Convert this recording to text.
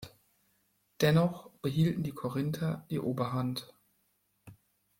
Dennoch behielten die Korinther die Oberhand.